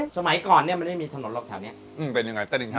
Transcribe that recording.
ชมัยก่อนมันไม่มีถนนเลย้าแถวนี้